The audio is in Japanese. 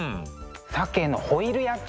鮭のホイル焼き。